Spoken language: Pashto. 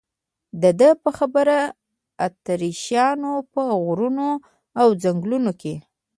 د ده په خبره اتریشیانو په غرونو او ځنګلونو کې.